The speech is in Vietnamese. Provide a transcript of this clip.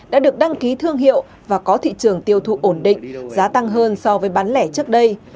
đã được đăng ký thương hiệu và có thị trường tiêu thụ ổn định giá tăng hơn so với bán lẻ trước đây